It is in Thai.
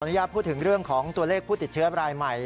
ญาตพูดถึงเรื่องของตัวเลขผู้ติดเชื้อรายใหม่